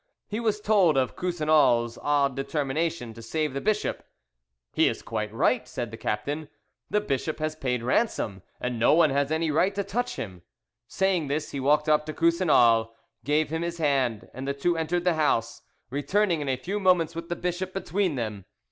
He was told of Coussinal's odd determination to save the bishop. "He is quite right," said the captain; "the bishop has paid ransom, and no one has any right to touch him." Saying this, he walked up to Coussinal, gave him his hand, and the two entered the house, returning in a few moments with the bishop between them.